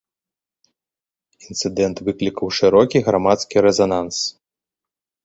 Інцыдэнт выклікаў шырокі грамадскі рэзананс.